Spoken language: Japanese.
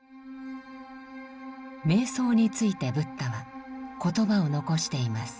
瞑想についてブッダは言葉を残しています。